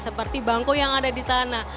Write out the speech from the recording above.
seperti bangku yang ada di sana